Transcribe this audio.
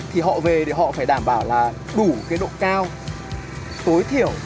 thì họ về thì họ phải đảm bảo là đủ cái độ cao tối thiểu